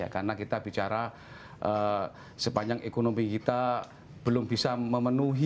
karena kita bicara sepanjang ekonomi kita belum bisa memenuhi